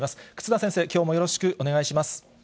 忽那先生、きょうもよろしくお願いいたします。